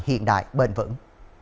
hiện đại bền vững